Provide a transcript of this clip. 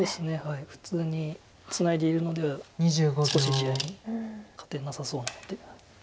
普通にツナいでいるのでは少し地合い勝てなさそうなので。